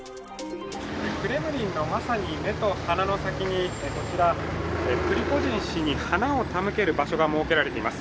クレムリンのまさに目と鼻の先にこちら、プリゴジン氏に花を手向ける場所が設けられています。